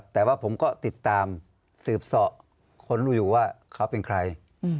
แต่ว่าผมก็ติดตามสืบเสาะคนรู้อยู่ว่าเขาเป็นใคร